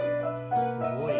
すごい。